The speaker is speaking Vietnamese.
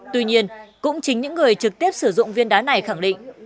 tuy nhiên cũng chính những người trực tiếp sử dụng viên đá này khẳng định